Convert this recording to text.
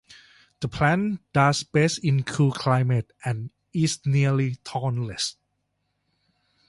The plant does best in cool climates and is nearly thornless.